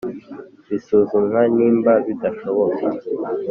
bisuzumwa nimba bidashoboka